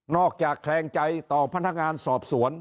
อกจากแคลงใจต่อพนักงานสอบสวน